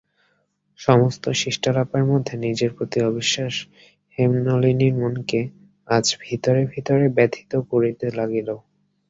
সমস্ত শিষ্টালাপের মধ্যে নিজের প্রতি অবিশ্বাস হেমনলিনীর মনকে আজ ভিতরে ভিতরে ব্যথিত করিতে লাগিল।